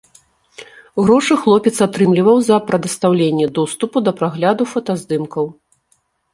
Грошы хлопец атрымліваў за прадастаўленне доступу да прагляду фотаздымкаў.